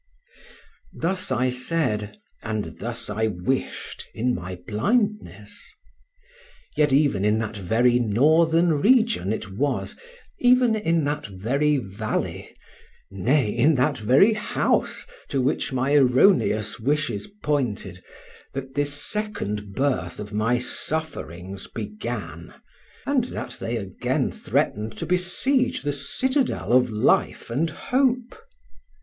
Thus I said, and thus I wished, in my blindness. Yet even in that very northern region it was, even in that very valley, nay, in that very house to which my erroneous wishes pointed, that this second birth of my sufferings began, and that they again threatened to besiege the citadel of life and hope.